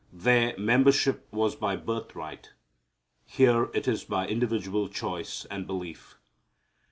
There membership was by birthright. Here it is by individual choice and belief.